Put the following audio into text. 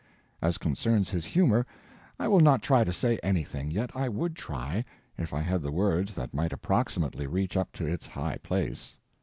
As concerns his humor, I will not try to say anything, yet I would try, if I had the words that might approximately reach up to its high place.